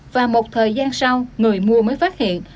và một thời gian sau người mua mới phát hiện